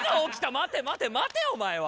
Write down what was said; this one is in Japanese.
待て待て待てお前は。